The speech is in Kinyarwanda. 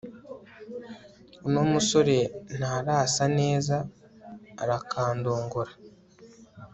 uno musore ntarasaneza arakandongora